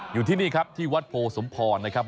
อยู่ที่นี่ครับที่วัดโพสมพรนะครับ